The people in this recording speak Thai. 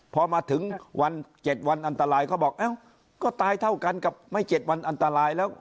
พอมาถึงวัน๗วันอันตรายเขาบอกเอ้าก็ตายเท่ากันกับไม่๗วันอันตรายแล้ว